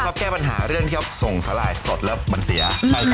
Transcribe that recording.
เขาแก้ปัญหาเรื่องที่เขาส่งสาลายสดแล้วมันเสีย